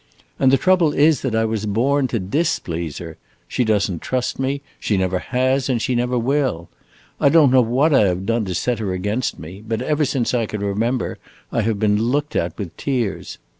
And the trouble is that I was born to displease her. She does n't trust me; she never has and she never will. I don't know what I have done to set her against me, but ever since I can remember I have been looked at with tears.